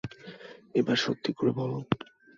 এবার সত্যি করে বলো।